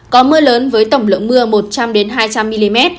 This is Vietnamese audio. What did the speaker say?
có mưa lớn với tổng lượng mưa một trăm linh hai trăm linh mm